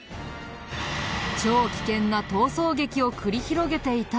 超危険な逃走劇を繰り広げていたって